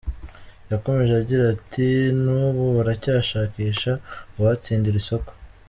Yakomeje agira ati“N’ubu baracyashakisha uwatsindira isoko.